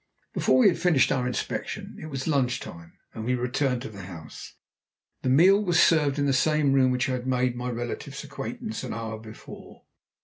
Before we had finished our inspection it was lunch time, and we returned to the house. The meal was served in the same room in which I had made my relative's acquaintance an hour before.